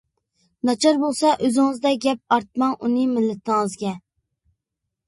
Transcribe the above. ناچار بولسا ئۆزىڭىزدە گەپ، ئارتماڭ ئۇنى مىللىتىڭىزگە.